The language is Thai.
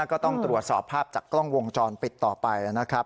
ก็ต้องตรวจสอบภาพจากกล้องวงจรปิดต่อไปนะครับ